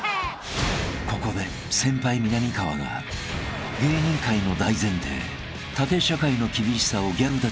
［ここで先輩みなみかわが芸人界の大前提縦社会の厳しさをギャルたちに教え込む］